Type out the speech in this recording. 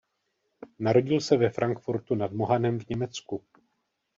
Narodil se ve Frankfurtu nad Mohanem v Německu.